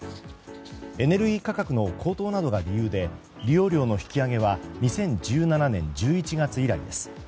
エネルギー価格の高騰などが理由で利用料の引き上げは２０１７年１１月以来です。